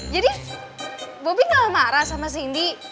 jadi bubi gak marah sama sindi